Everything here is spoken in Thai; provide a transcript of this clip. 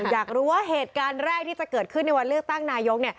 อยากรู้ว่าเหตุการณ์แรกที่จะเกิดขึ้นในวันเลือกตั้งนายก